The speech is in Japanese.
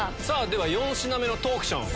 では４品目のトークション。